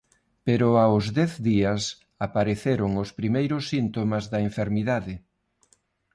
Pero aos dez días apareceron os primeiros síntomas da enfermidade.